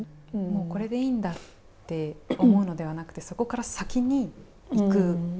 もうこれでいいんだって思うのではなくてそこから先に行く。